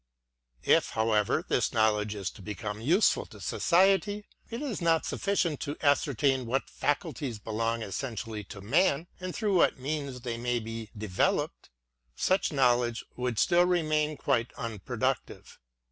if, however, this Knowledge is to become useful to so . it is not sufficient to ascertain what faculties belong essentially to man, and through what means they may be developed; — such Knowledge would still remain quite un productive.